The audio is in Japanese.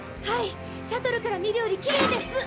はいシャトルから見るよりきれいです。